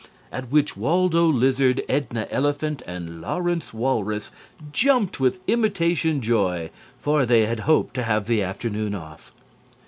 At which Waldo Lizard, Edna Elephant and Lawrence Walrus jumped with imitation joy, for they had hoped to have an afternoon off.